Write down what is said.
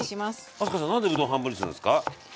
明日香さん何でうどん半分にするんですか？